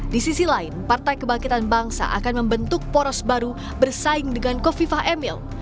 di sisi lain partai kebangkitan bangsa akan membentuk poros baru bersaing dengan kofifah emil